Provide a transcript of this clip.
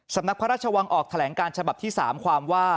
สำนักพระราชวังออกแถลงการฉบับที่๓ความว่า